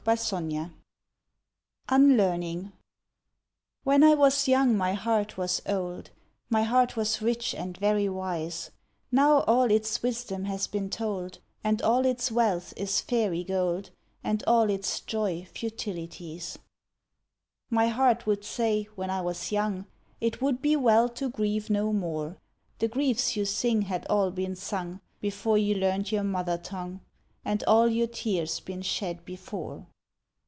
Vigils UNLEARNING When I was young my heart was old, My heart was rich and very wise : Now all its wisdom has been told And all its wealth is fairy gold And all its joy futilities. My heart would say, when I was young, "It would be well to grieve no more. The griefs you sing had all been sung Before you learned your mother tongue, And all your tears been shed before."